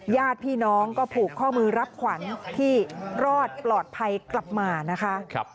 ญาติพี่น้องก็ผูกข้อมือรับขวัญที่รอดปลอดภัยกลับมานะคะ